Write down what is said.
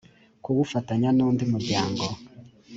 kuwufatanya n undi muryango